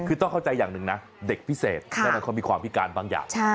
คือต้องเข้าใจอย่างหนึ่งนะเด็กพิเศษแน่นอนเขามีความพิการบางอย่าง